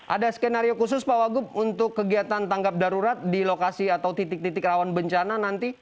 ada skenario khusus pak wagub untuk kegiatan tanggap darurat di lokasi atau titik titik rawan bencana nanti